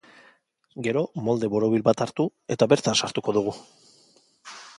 Gero molde borobil bat hartu eta bertan sartuko dugu.